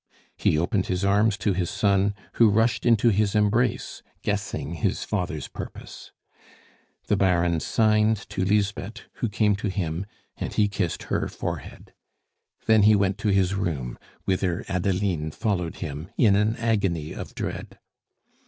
He opened his arms to his son, who rushed into his embrace, guessing his father's purpose. The Baron signed to Lisbeth, who came to him, and he kissed her forehead. Then he went to his room, whither Adeline followed him in an agony of dread.